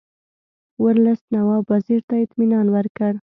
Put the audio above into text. ورلسټ نواب وزیر ته اطمینان ورکړ.